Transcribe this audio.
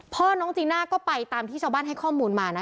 พ่อน้องจีน่าก็ไปตามที่ชาวบ้านให้ข้อมูลมานะ